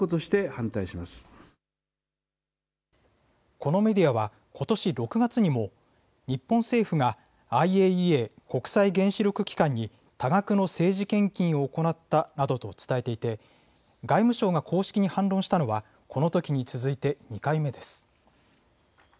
このメディアは、ことし６月にも、日本政府がＩＡＥＡ・国際原子力機関に多額の政治献金を行ったなどと伝えていて、外務省が公式に反論したのは、このときに続いて２回目です。